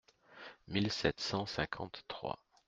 mille sept cent cinquante-trois).